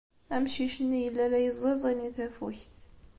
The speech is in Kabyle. Amcic-nni yella la yeẓẓiẓin i tafukt.